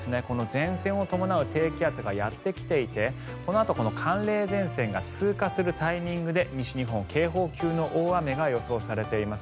前線を伴う低気圧がやってきていてこのあと寒冷前線が通過するタイミングで西日本、警報級の大雨が予想されています。